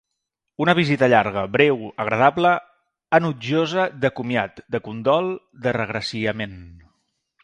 Una visita llarga, breu, agradable, enutjosa, de comiat, de condol, de regraciament.